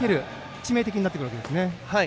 致命的になってくるわけですね。